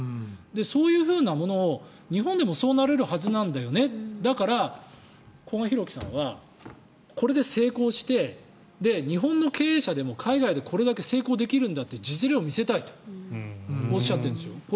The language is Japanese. そういうふうなものを日本でもそうなれるはずなんだよねだから、古賀大貴さんはこれで成功して日本の経営者でも海外でこれだけ成功できるんだっていう実例を見せたいとおっしゃってるんですよ。